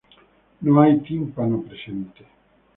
No hay tímpano presente.